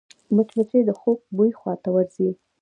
مچمچۍ د خوږ بوی خواته ورځي